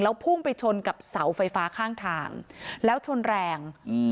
พุ่งไปชนกับเสาไฟฟ้าข้างทางแล้วชนแรงอืม